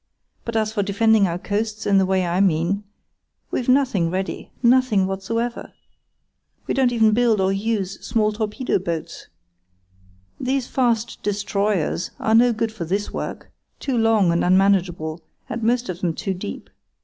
But as for defending our coasts in the way I mean—we've nothing ready—nothing whatsoever! We don't even build or use small torpedo boats. These fast 'destroyers' are no good for this work—too long and unmanageable, and most of them too deep.